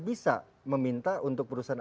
bisa meminta untuk perusahaan